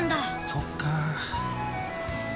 そっか。